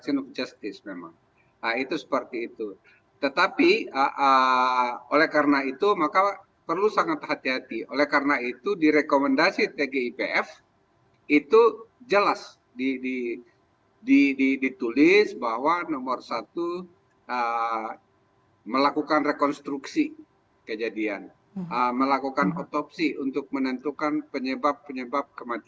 selamat sore mbak